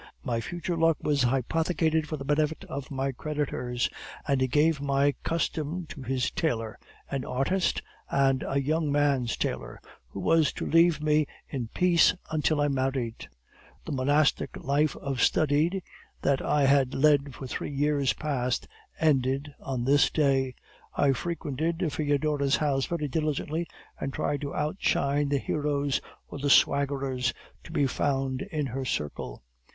My future luck was hypothecated for the benefit of my creditors, and he gave my custom to his tailor, an artist, and a young man's tailor, who was to leave me in peace until I married. "The monastic life of study that I had led for three years past ended on this day. I frequented Foedora's house very diligently, and tried to outshine the heroes or the swaggerers to be found in her circle.